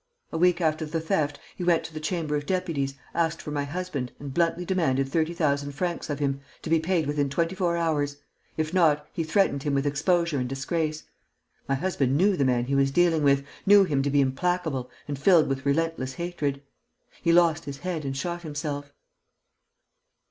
A week after the theft, he went to the Chamber of Deputies, asked for my husband and bluntly demanded thirty thousand francs of him, to be paid within twenty four hours. If not, he threatened him with exposure and disgrace. My husband knew the man he was dealing with, knew him to be implacable and filled with relentless hatred. He lost his head and shot himself."